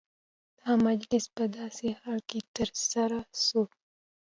دا مجلس په داسي حال کي ترسره سو،